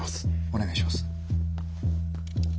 お願いします。